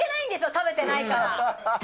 食べてないから。